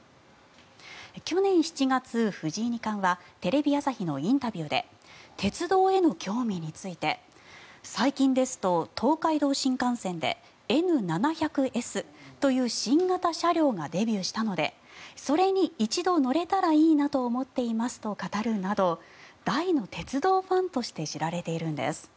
去年７月、藤井二冠はテレビ朝日のインタビューで鉄道への興味について最近ですと東海道新幹線でＮ７００Ｓという新型車両がデビューしたのでそれに一度、乗れたらいいなと思っていますと語るなど大の鉄道ファンとして知られているんです。